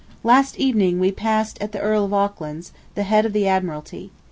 Last evening we passed at the Earl of Auckland's, the head of the Admiralty.